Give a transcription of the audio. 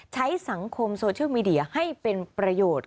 ใช้สังคมโซเชียลมีเดียให้เป็นประโยชน์